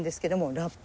ラップ？